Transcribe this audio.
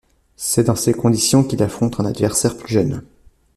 C'est dans ces conditions qu'il affronte un adversaire plus jeune.